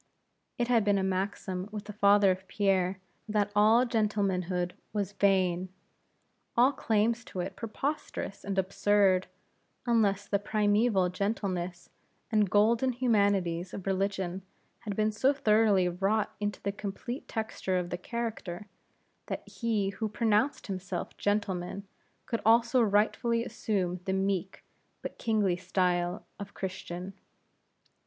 It had been a maxim with the father of Pierre, that all gentlemanhood was vain; all claims to it preposterous and absurd, unless the primeval gentleness and golden humanities of religion had been so thoroughly wrought into the complete texture of the character, that he who pronounced himself gentleman, could also rightfully assume the meek, but kingly style of Christian.